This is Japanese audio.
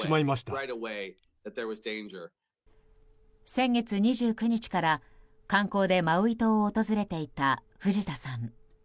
先月２９日から観光でマウイ島を訪れていた藤田さん。